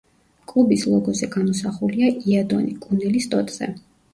კლუბის ლოგოზე გამოსახულია იადონი კუნელის ტოტზე.